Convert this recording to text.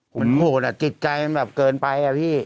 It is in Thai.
โหดอ่ะจิตใจมันแบบเกินไปอะพี่